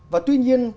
và tuy nhiên